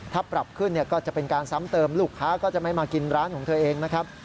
ถ้าปรับขึ้นก็จะเป็นการซ้ำเติมลูกค้าก็จะไม่มากินร้านของเธอเองนะครับ